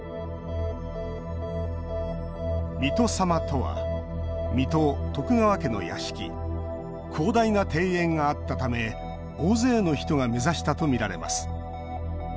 水戸様とは水戸徳川家の屋敷広大な庭園があったため大勢の人が目指したとみられます。